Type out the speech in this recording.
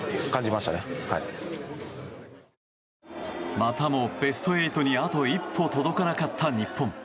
またもベスト８にあと一歩届かなかった日本。